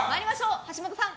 橋本さん